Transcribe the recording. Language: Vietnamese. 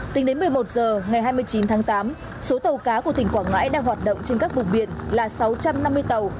tính đến một mươi một h ngày hai mươi chín tháng tám số tàu cá của tỉnh quảng ngãi đang hoạt động trên các vùng biển là sáu trăm năm mươi tàu